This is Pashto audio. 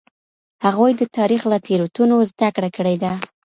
هغوی د تاریخ له تېروتنو زده کړه کړې ده.